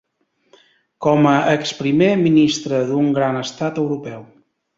Com a exprimer ministre d’un gran estat europeu.